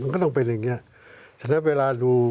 ก็ต้องเป็นแบบนี้